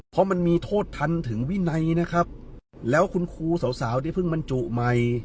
เพราะมันมีโทษทันถึงวินัยนะครับแล้วคุณครูสาวสาวที่เพิ่งบรรจุใหม่